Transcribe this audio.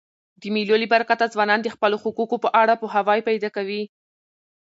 د مېلو له برکته ځوانان د خپلو حقوقو په اړه پوهاوی پیدا کوي.